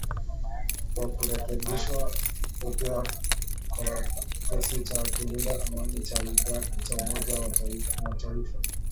wa kurekebishwa upya kwa kikosi cha kulinda amani cha Umoja wa Mataifa